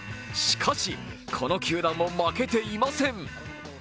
しかし、この球団も負けていません。